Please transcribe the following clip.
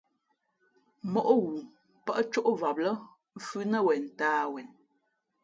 Móʼ ghoo pάʼ cóʼvam lά mfhʉ̄ nά wen ntāh wen.